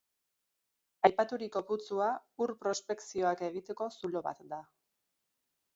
Aipaturiko putzua ur prospekzioak egiteko zulo bat da.